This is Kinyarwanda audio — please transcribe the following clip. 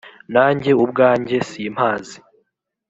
nanjye ubwanjye simpazi.